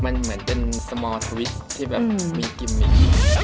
มันเหมือนเป็นสมอร์ทวิตที่แบบมีกิมมิก